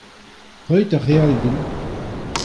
Roit ar re all din.